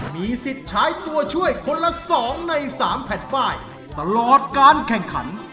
มีสิทธิ์ใช้ตัวช่วยคนละ๒ใน๓แผ่นป้ายตลอดการแข่งขัน